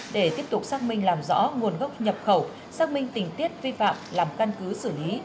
để tiếp tục xác minh làm rõ nguồn gốc nhập khẩu xác minh tình tiết vi phạm làm căn cứ xử lý